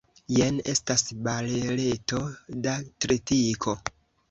Jen estas bareleto da tritiko.